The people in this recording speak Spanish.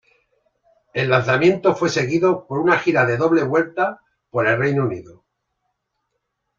El lanzamiento fue seguido por una gira de doble vuelta por el Reino Unido.